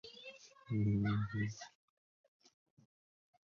另外有一部份被外国博物馆收藏。